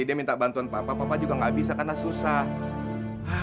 dia minta bantuan papa papa juga nggak bisa karena susah